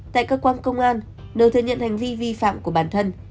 tại cơ quan công an đầu thừa nhận hành vi vi phạm của bản thân